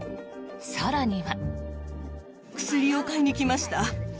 更には。